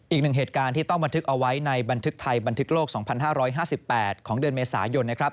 อีกหนึ่งเหตุการณ์ที่ต้องบันทึกเอาไว้ในบันทึกไทยบันทึกโลก๒๕๕๘ของเดือนเมษายนนะครับ